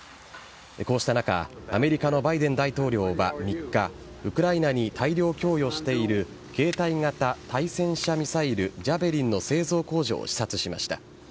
こうした中アメリカのバイデン大統領は３日ウクライナに大量供与している携帯型対戦車ミサイルジャベリンの製造工場を視察しました。